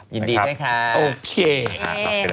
ยินดีด้วยค่ะ